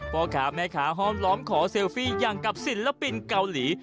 พ่อค้าแม่ค้าห้อมล้อมขอเซลฟี่อย่างกับศิลปินเกาหลี